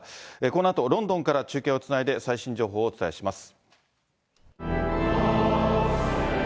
このあとロンドンから中継をつないで最新情報をお伝えします。